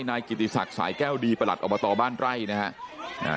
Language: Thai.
นายกิติศักดิ์สายแก้วดีประหลัดอบตบ้านไร่นะฮะอ่า